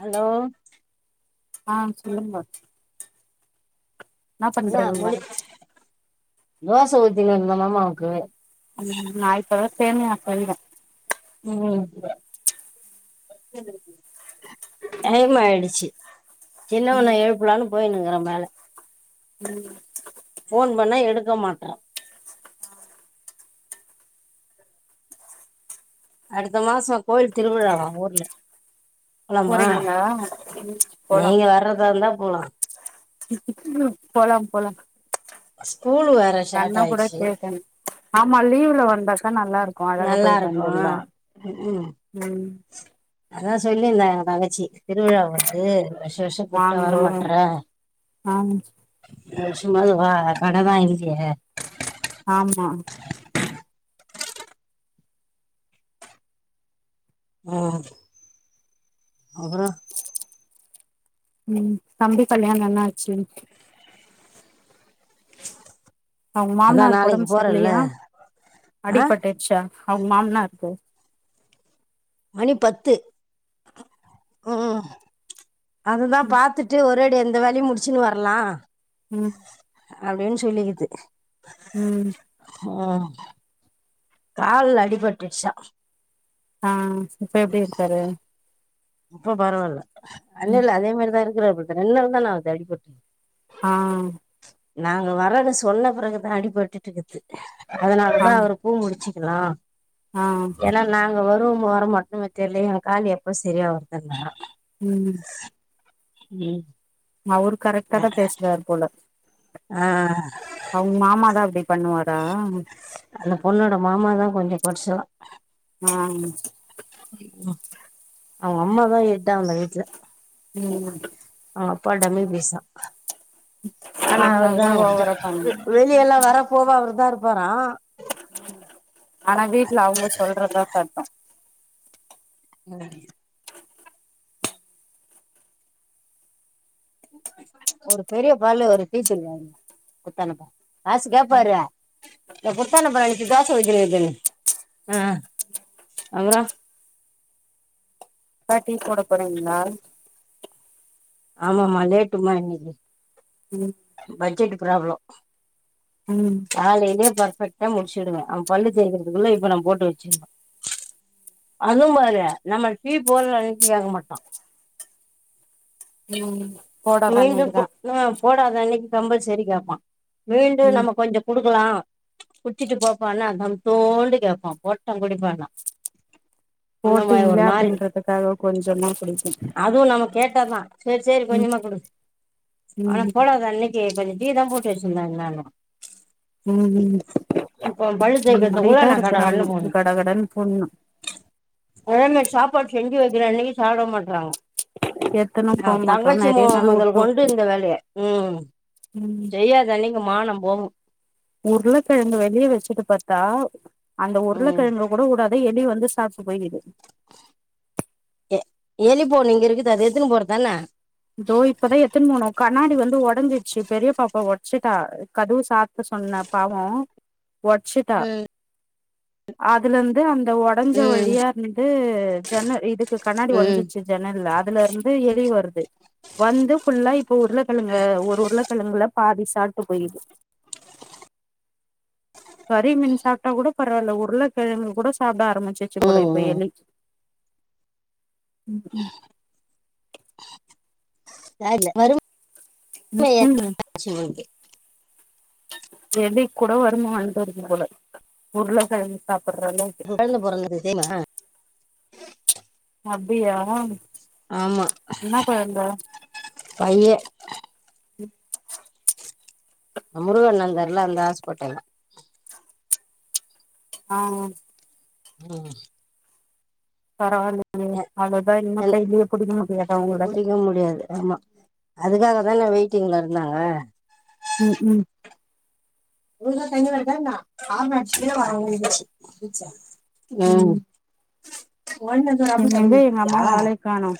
hello ஆ சொல்லுங்கோ இல்ல பண்றீங்க முலு தோச ஊத்தி வேணுமாமாமா அவுனுக்கு ம் நா இப்ப தா சேமியா செய்றே ம் டைம் ஆயிடுச்சி ம் சின்னவன எழுப்பலான்னு போயின்ட்ருக்கற மேல ம் ஃபோன் பண்ணா எடுக்க மாட்ற அடுத்த மாசோ கோவில் திருவிழாவா ஊர்ல போலாமா போறீங்களா ம் போலா நீங்க வர்றதா இருந்தா போலா ம் போலா போலா ஸ்கூலு வேற கண்ண ஷார்ட் கூட ஆயிடுச்சு கேட்டே ஆமா லீவுல வந்தாக்கா நல்லா இருக்கு அழக போயிட்டு வந்துர்லா ம் ம் ம் அதா சொல்லியிருந்தா எங்க தங்கச்சி திருவிழா வருது வருஷா வருஷொ கூப்ட்டா வாங்கோ வரமாட்ற ஆ ஏ சும்மாது வா கட தா இல்லியே ஆமா ஓ அப்புறோ ம் தம்பி கல்யாணோ என்னாச்சு அவுங்க அதான் மாம்னார்க்கு நாளைக்கு ஒடம்ப் போறல்ல சரில்லயா ஆ அடிப்பட்டுட்டுச்சா அவுங்க மாம்னார்க்கு மணி பத்து ம் அதுதா ம் பாத்துட்டு ஒரு ஒரேடியா இந்த வேலையு முடிச்சுன்னு வர்லா ம் அப்டின் சொல்லிக்கிது ம் ம் கால்ல அடிபட்டுட்ச்சா ஆ இப்ப எப்டி இருக்காரு இப்ப பரவால்ல இல்ல ம் இல்ல அதே மாரிதா இருக்குராப்ல ரெண்ட் நாள் தான ஆவுது அடிப்பட்டு ஆ நாங்க வரன்னு சொன்ன பிறகுதா அடிபட்டுட்ருக்குது ஆ அதனாலதா அவரு பூ முடிச்சுக்குலா ஆ ஏன்னா நாங்க வருவமோ வார மாட்டோமோ தெர்லயே என் காலு எப்ப சரியா வருதுன்னா ம் ம் அவுரு கரெக்டா தா பேசுறாரு போல ஆ அவுங்க மாமா தா அப்டி பண்ணுவாரா அந்த பொண்ணோட மாமா தா கொஞ்சோ கொடச்லா ஆ அவுங்க அம்மாதா எட்டா அவுங்க வீட்ல ம் அவுங்க அப்பா டம்மி பீஸா ஆனா அவுரு தா அதனாலதா கொஞ்சொ ஓவரா இது பண்ணு வெளியல்லா வர போவ அவருதா இருப்பாரா ஆனா வீட்ல அவுங்க சொல்றதா சட்டொ அ ஒரு பெரிய பல்லு ஒரு [unintelligible] குத்தானப்பா காசு கேப்பாரு ஆ ஆ அப்புறோ பா டீ போடப் போறீங்ளா ஆமாமா லேட்டுமா இன்னக்கி ம் பட்ஜெட்டு ப்ராப்ளம் ம் காலையிலேயே பர்ஃபெக்டா முடிச்சுடுவே அவ பல்லு தேக்கறதுக்குள்ள இப்ப நம் போட்டு வச்சிர்னு அதும் பாரு நம்ம டீ போர்ர அன்னக்கி கேக்க மாட்டா ம் போடாத மீண்டும் போ அன்னைக்குதா ஆ போடாத அன்னக்கி கம்பல்சரி கேப்பா மீண்டு ம் நம்ம கொஞ்சொ குடுக்கலா குச்சிட்டு போப்பான்னா தம்தோண்டு கேப்பா போட்டா குடிப்பேனா அந்த மாதிரி போட்டீங்களே ஒரு மாரி அப்டின்றதுக்காக கொஞ்சமா குடிப்பே அதுவு நம்ம கேட்டா தா செரி செரி ம் கொஞ்சமா குடு ஆனா ம் போடாத அன்னைக்கி கொஞ்சோ டீ தா போட்டு வெச்சிருந்தா என்னான்னு ம் தேய்க்கிறதுக்குள்ள அப்டிதா இருக்குறாங்க கட கடன்னு போட்னு அதே மாரி சாப்பாடு செஞ்சி வெக்கிற அன்னைக்கி சாப்ட மாட்டறாங்கோ எத்தன தங்கச்சி மோ மொதலூ கொண்டு இந்த வேலைய ம் ம் செய்யாத அன்னைக்கக மானோ போவோ உருளக்கெழங்கு வெளியே வெச்சிட்டு பாத்தா அந்த ம் உருளக்கெழங்கு கூட கூடாத எலி வந்து சாப்ட்டு போயிக்குது எ எலிபோனு இங்க இருக்குது அத எத்னு போறதானா தோ இப்பதா எத்துன் போனு கண்ணாடி வந்து ஒடஞ்சிட்சி பெரிய பாப்பா ஒட்சிட்டா கதுவ சாத்த சொன்ன பாவோ ஒட்சி டி அதுல இருந்து அந்த ஓட் ஒடஞ்ச ம் வழியா இருந்து ஜன்ன இதுக்கு கண்ணாடி ம் ஓடஞ்சிட்சி ஜன்னல்ல அதுல எலி வருது வந்து ஃபுல்லா இப்ப உருளக்கெழங்க ஒரு உருளைக்கெழங்குல பாதி சாப்பட்டு போயிக்கிது கறி மீன் சாப்ட்டா கூட பரவால்ல உருளக்கெழங்கு கூட சாப்ட ஆரம்பிச்சிட்சி போல ம் இப்ப ம் எலி ம் ம் தேட்ல வரும் ம் [inaudible] எலிக் கூட வரும வந்துருது போல உருள கெழங்கு சாப்புட்ற அளவுக்கு கையில பொறந்தது தெரிமா அபியா ஆமா பையே முருக அண்ணே இருந்தார்ல அந்த ஹாஸ்பிட்டல்ல ஆ ஆ ம் பரவால்லையே எ அவ்ளதா இன்னு கையிலயே புடிக்க முடியாதே அவுங்கள புடிக்க முடியாது ஆமா அதுக்காதானே வெயிட்டிங்ல இருந்தாங்க ம் ம் உழுதாம் தண்ணி கிடைக்காதுன்னா பாவம் வச்சு உம் ம் ஒடின்னு இருக்க அப்ப எங்க தடுக்கி எங்க அம்மா விழுந்துட்சா ஆளே காணோ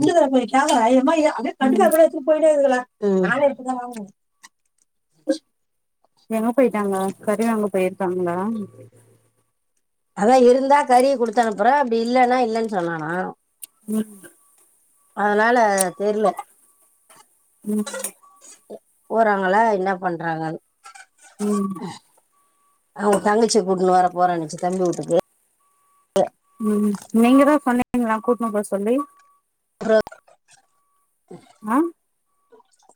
புலுகர பொய்காக ஆயிரரூபா அப்டியே தடுக்கறா ம் போல எத்துட்டு போயிடே இருக்கற நானே இப்பதா வாங்கன எங்க போயிட்டாங்க கறிவாங்க போயிருக்காங்களா அதா இருந்தா கறிய குடுத்தனுப்புறே அப்டி இல்லன்னா இல்லன்னு சொன்னான ம் அதனால தெர்ல ம் போறாங்ளா இன்னா பண்றாங்கன்னு ம் அவுங்க தங்கச்சிய கூட்டுனு வர போறன்னுச்சி தம்பிவுட்க்கு ம் நீங்க தா சொன்னிங்களா கூட்டுனு போ சொல்லி அப்றோ ஆம்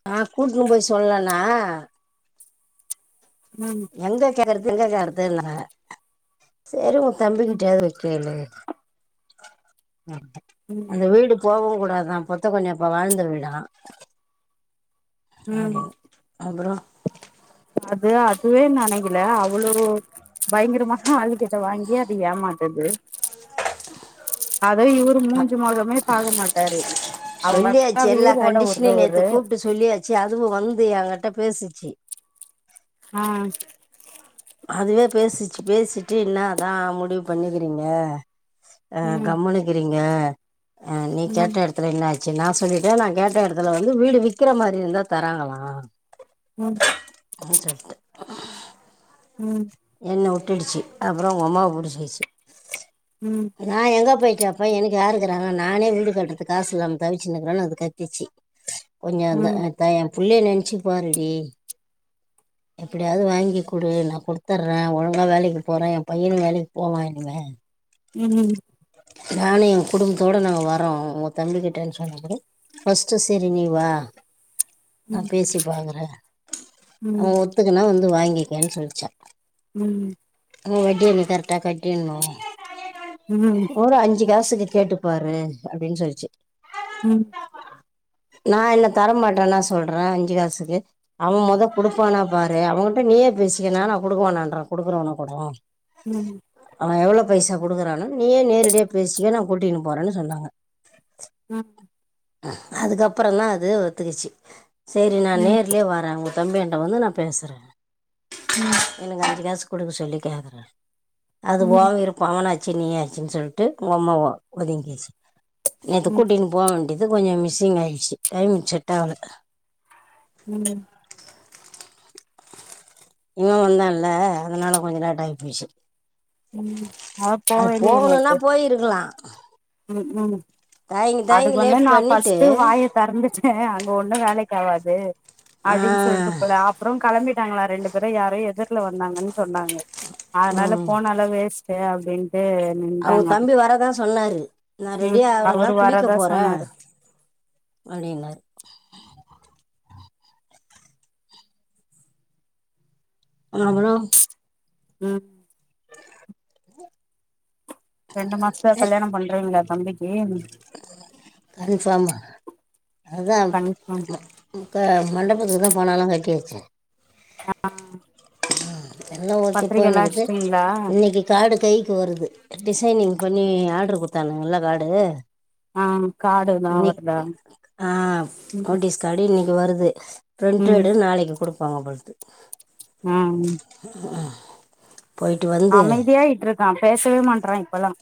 நா கூட்டுனு போயி சொல்லன உம் எங்க கேக்குறது எங்க கேக்குறது னாங்க சேரி உங்க ம் தம்பிக்கிட்டயாது போய் கேளு ம் அந்த வீடு போகவும் கூடாதான் பொத்தா கொஞ்சம் இப்ப வாழ்ந்த வீடாம் ம் அப்படின்னு அ ப்ரோ அது அதுவே நனைக்கல அவ்ளோ பயங்கரமா ஆளுகிட்ட வாங்கி ஏமாத்து து அது இவரு மூஞ்சு மெகரமே பாக்க மாட்டாரு அவங்க அக்கா சொல்லியாச்சு வயே எல்லா ஓட கண்டிஷனையும் நேற்று வுடுறவரு கூப்பிட்டு சொல்லியாச்சு அதுவும் வந்து ஏங்கிட்ட பேசுச்சி ஆ அதுவே பேசிச்சு பேசிட்டு இன்ன தான் முடிவு பண்ணிக்கிறீங்க அ ம் கம்முனு இருக்கிறீங்க நீங்க ம் கேட்ட இடத் துல என்னாச்சு நான் சொல்லிட்டேன் நான் கேட்ட இடத்துல வந்து வீடு விக்கிற மாதிரி இருந்தா தராங்களாம் ம் ஆ சொல்லிட்டேன் உம் என்ன வுட்டுடுச்சு அப்புறம் ஒ அம்மாவ பிடிச்சிச்சி ம் நான் எங்க போய் கேபேன் எனக்கு யாருக்கிறாங்க நானே வீடு கட்டுறது காசு இல்லாம தவிச்சு நிக்றேன்னு அது கத்துச்சு [inaudible] கொஞ்சம் வந்து ம் அ நா என் புள்ளைய நினைச்சு பாருடி எப்டியாவது வாங்கி கொடு நான் கொடுத் துறேன் ஒழுங்கா வேலைக்கு போகறேன் என் பையனு வேலைக்கு போவான் இனிமே ம் ம் நானும் என் குடும்பத்தோட நாங்க வரறோம் உங்க தம்பிக்கிட்ட னு சொன்னே பாரு ஃபர்ஸ்டு சரி நீ வா ம் நான் ம் பேசி பாக்குறேன் ம் அவன் ஒத்துக்குனா வந்து வாங்கிக்கேன்னு சொல்லிச்சான் ம் வட்டிய நீ கரெட்டா கட்டிறனும் ம் ஒரு அஞ்சு காசுக்கு கேட்டு பாரு அப்படின்னு சொல்லிச்சு ம் நான் என்ன தர மாட்டேன்னா சொல்றேன் அஞ்சு காசுக்கு அவன் முத கொடுப்பானா பாரு அவகிட்ட நீயே பேசிக்க நானா கொடுக்கவானான்றன் குடுக்குறவனா கூட ம் அவன் எவ்வளவு பைசா கொடுக்குறான்னு நீயே நேரடியா பேசிக்க நான் கூட்டின்னு போறேன்னு சொன்னாங்க ம் அதுக்கப்புறம் தான் அது ஒத்துக்குச்சு சரி நான் நேர்லயே வரேன் அவங்க தம்பியண்ட வந்து நான் பேசுறேன் உம் எனக்கு அஞ்சு காசு கொடுக்க சொல்லி கேக்குறேன் அது ம் போவ ம் ம் இரு பவுன வச்சு நீயே சொ சொல்லிட்டு ஒ அம்மா ஒதங்கிச்சு நேத்து கூட்டினு போக வேண்டியது அது கொஞ்சம் மிஸ்ஸிங் ஆயிடுச்சு டைம் செட்கல உம் இவ வந்தால்ல அதனால கொஞ்சோ லேட்டாய் போய்ர்ச்சு அதா அது போவேலையே போகணுன்னா நேத்து போயிருக்கலா ம் ம் தயங்கி அதுக் வந்து லேட் நா பண்ணிட்டு ஃபஸ்ட்டு வாய திறந்துட்டே அங்க ஒன்னு வேலைக் ஆவாது ஆ, அப்டின் சொல்ட்டு போதா அப்றோ கெளம்பிட்டாங்ளா ரெண்டு அப்றோ யாரோ எதிர்ல வந்தாங்கன் சொன்னாங்க அதனால ம், போனாலே வேஸ்ட்டு அப்டின் ட்டு அவுங்க தம்பி வர தா சொன்னாரு நா ம் ரெடியாகுறங்க அவரு குளிக்க வரதா போறே சொன்னாரு அப்டின்னாரு ஆனா அப்பறோ ம் ரெண்டு மாஸ்த்துல கல்யாணம் பண்றீங்ளா தம்பிக்கு [inaudible] கன்ஃபாமா அதா கன்ஃபார்ம் அ புக்க மண்டபத்துக்கு தா பணோலா கட்டி வெச்சே ஆ எல்லா ஓகே போ இன்னைக் இது அடிச்சிட்டீங்களா இன்னைக்கி காடு கைக்கு வருது டிசைனிங் பண்ணி ஆட்ரு குட்த்தானுங்க நல்ல காடு ஆ கார்டுதா இன்னைக் வருதா ஆ ம் நோட்டீஸ் காடு இன்னைக்கு வருது ம் பிரிண்டடு நாளைக்கு குடுப்பாங்க போல்க்து ம் உ அமைதியாய்ட்ருக்கா பேசவே மாட்றா இப்பல்லா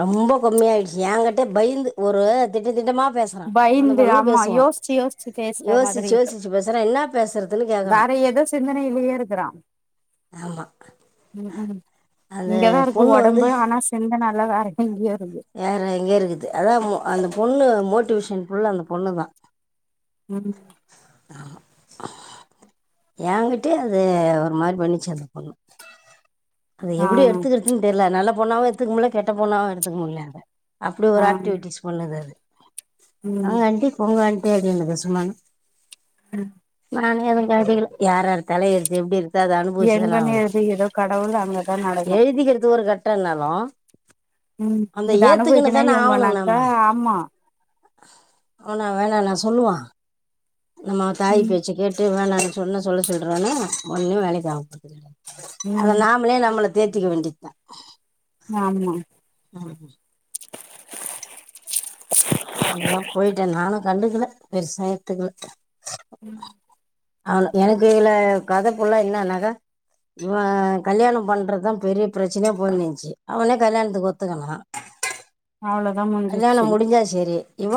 ரொம்ப கம்மியாய்டுச்சு எங்கிட்ட பய்ந்து ஒரு திட்ட திட்டமா பேச றா தொன பயந்து தொனன்னு ஆமா பேசுவா யோசிச்சு யோசிச்சு பேசுற மாதிரி யோசிச்சு இருக்கு யோசிச்சு பேசறா என்னா பேசற வேற எதோ சிந்தனைலியே இருக்கறா ஆமாம் ம் ம் அந்த இங்கதா இருக்கு பொண்ணு வந்து ஒடம்பு ஆனா சிந்தன எல்லா வேற எங்கியோ இருக்கு வேற எங்கயோ இருக்குது அதா மு அந்த பொண்ணு மோட்டிவேஷன் ஃபுல்லா அந்த பொண்ணு தா ம் ஆ எங்கிட்டயே அது ஒரு மாரி பண்ணுச்சி அந்த பொண்ணு அது ஆ எப்பிடி எடுத்துக்கற்துன் தெர்ல நல்ல பொண்ணாவு எடுத்துக்க முட்ல கெட்ட பொண்ணாவு எடுத்துக்க முட்ல அத அப்டி ஒரு ஆ ஆக்டிவிட்டிஸ் பண்ணுது அது ம் வாங்க ஆண்ட்டி போங்க ஆண்ட்டி அப்டினுது சும்மாவு ம் நானு எது காட்டிக்கல யார் யார் தல எழ்த்து எப்டி இருக்தோ அத அனுபவிச்சுதான எங்கன்னு ஆவணு எழுதுகிறதோ கடவுள் அங்கதான் நடக்கும் எழ்திக்கறது ஒரு கெட்டத்னாலு ம் அந்த இது ஏத்துக்கினு அனுபவிக்கனே தான ஆவணு இவங்கனாக்கா நம்ம ஆமா அவன வேணான்னா சொல்லுவா நம்ம தாயி ம் பேச்ச கேட் டு வேணானு சொன்ன சொல்ல சொல்றனா ஒன்னு வேலைக்காவ் போற்தில்ல நம் [inaudible] அத ம் நா மளே நம்மள தேத்திக்க வேண்டி தா ஆமா நாளைக்கு அப்டிதா போயிட்டா நானு கண்டுக்கல பெருசா எட்த்துக்கல ம் அவள எனக் இதுல கத புல்லா என்னாக்கா இவ கல்யாணம் பண்றத் தா பெரிய பிரச்சனையா போயினிந்ச்சி அவனே கல்யாண்த்துக்கு ஒத்துக்கினா அவ்ளோதான் கல்யாண முடிஞ்சிச்சு முடிஞ்சா சேரி இவ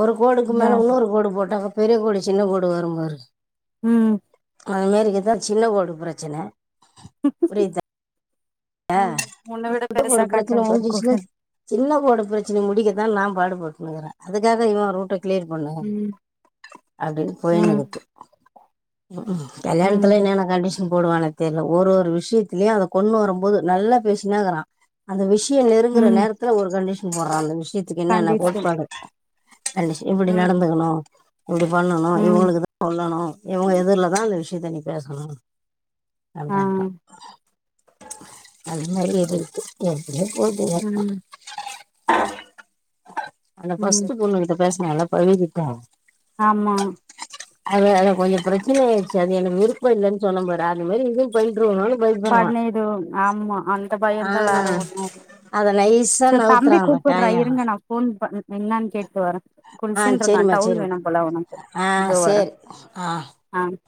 ஒரு கோடுக்கு மேலே இன்னொரு கோடு போட்டாக்கா பெரிய கோடு சின்ன கோடு வரும் பாரு ம் அதுமாரி இதா சின்ன கோடு பிரச்சனை புரியுதா ஆ ம் உன்ன விட ட்டு பெருசா ஒரு காட்டுற பிரச்சன பாரு முடுஞ்சுருச்சுனு கோடு சின்ன கோடு பிரச்சனைய முடிக்கத்தா நா பாடுபட்டுன்னுகிற அதுக்காக இவ ரூட்ட கிளியர் பண்ணு ம் அப்டின் ம் போயனுருக்கு ம் ம் கல்யாணத்துல ம் என்னென்ன கண்டிஷன் போடுவான தெர்ல ஒரு ஒரு விஷயத்தலயு அந்த பொண்ணு வரும்போது நல்லா பேசினேக்கிறா அந்த விஷய நெருங்குற ம் நேரத்துல ஒரு கண்டிஷன் போடுறா அந்த விஷயத்துக்கு என்னென்ன கோட் கண்டிஷன் பாடு இப்டி ம் நடந்துக்கணு இப்டி பண்ணணு ம் இவங்களுக்குதா சொல்லணு இவங்க எதிர்லதா அந்த விஷயத்த நீ பேசணு ஆ அப்டின்றா அது மாரி அது இருக்கு எப்டியே போதுங்க ம் அந்த ம் ஃபஸ்ட் பொண்ணு கிட்ட பேசுனலா பழுகிட்டா ஆமா அது அது கொஞ்ச பிரச்சனை ஆயிருச்சு அது எனக்கு விருப்ப இல்லன் சொன்னம் பாரு அந்த மாரி இது நின்றுமோன் பய பர்றா பண்ணிடும் ஆமா அந்த பயந்தா வேற ஒண்ணு இல்ல அத நைஸா செரி தம்பி நவுத்துறாங்க கூப்பர்றா காய இருங்க நா ஃபோன் பண் என்னானு கேட்டு வரே ஆ குளிச்சின்ட்ருக்கா சரிம்மா டவுல் சரிம்மா வேணு போல அவுனக்கு ஆ இந்த வர சரி ஆ ஆ